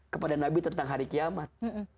kepada nabi tentang hari kiamat